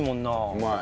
うまい。